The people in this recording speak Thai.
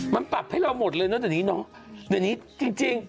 มันปรับให้เรามดเลยเนี่ยจริง